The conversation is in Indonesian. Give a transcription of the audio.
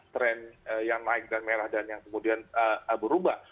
tren yang naik dan merah dan yang kemudian berubah